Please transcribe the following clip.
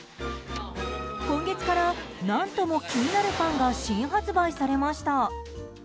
今月から、何とも気になるパンが新発売されました。